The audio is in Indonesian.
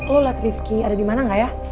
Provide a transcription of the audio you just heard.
lo liat rifki ada dimana gak ya